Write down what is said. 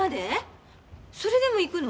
それでも行くの？